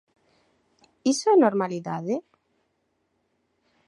¿Iso é normalidade?